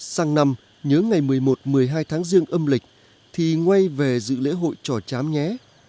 sang năm nhớ ngày một mươi một một mươi hai tháng riêng âm lịch thì ngoài về dự lễ hội trò chám nhé